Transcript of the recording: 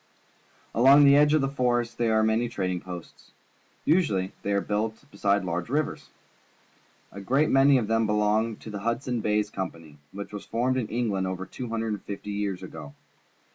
Along the edge of the forest there are many trading posts. Usually they are built beside large rivers. A great many of them belong to the Hudson's Bay Company, which was formed in England over two hundred and fifty years ago.